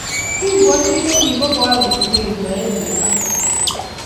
Kingowo siro kiboal ingwek, maembek ago marakwek